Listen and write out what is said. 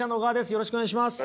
よろしくお願いします。